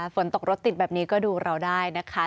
ฝนตกรถติดแบบนี้ก็ดูเราได้นะคะ